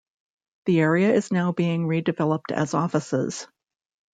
The area is now being redeveloped as offices.